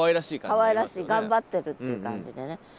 かわいらしい頑張ってるっていう感じでね。